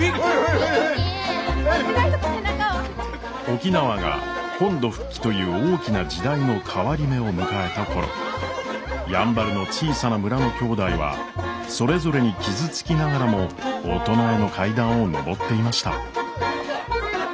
沖縄が本土復帰という大きな時代の変わり目を迎えた頃やんばるの小さな村のきょうだいはそれぞれに傷つきながらも大人への階段を上っていました。